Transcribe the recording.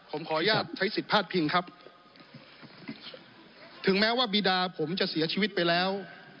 ผมขออนุญาตใช้สิทธิ์พาดพิงครับถึงแม้ว่าบีดาผมจะเสียชีวิตไปแล้ว